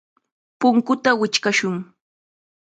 Punkuta wichqashun.